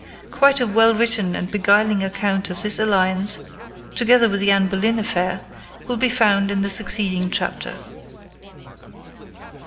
Quite a well written and beguiling account of this alliance, together with the Anne Boleyn affair, will be found in the succeeding chapter.